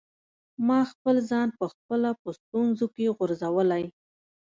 ما خپل ځان په خپله په ستونزو کي غورځولی.